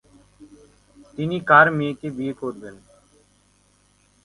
তিনি কার মেয়েকে বিয়ে করেন?